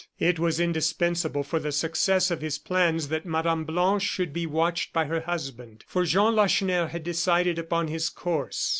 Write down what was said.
It was indispensable for the success of his plans that Mme. Blanche should be watched by her husband. For Jean Lacheneur had decided upon his course.